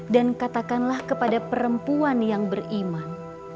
dan katakanlah kepada perempuan yang beriman